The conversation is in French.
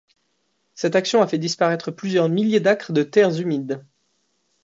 Cette action a fait disparaître plusieurs milliers d'acres de terres humides.